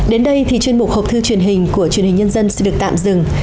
đến đây thì chuyên mục hộp thư truyền hình của truyền hình nhân dân xin được tạm dừng